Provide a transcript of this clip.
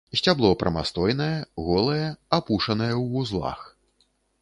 Сцябло прамастойнае, голае, апушанае ў вузлах.